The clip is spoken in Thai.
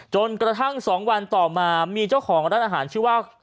จนกระทั่ง๒วันต่อมามีเจ้าของร้านอาหารชื่อว่า